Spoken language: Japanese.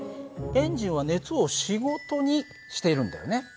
エンジンは熱を仕事にしているんだよね。